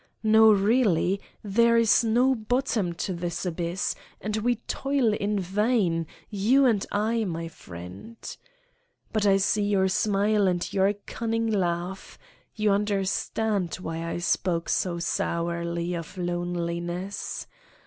No, really, there is no bottom to this abyss and we toil in vain, you and I, my friend !... But I see your smile and your cunning laugh: you understand why I spoke so sourly of loneliness.